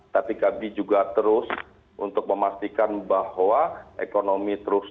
tapi kami juga terus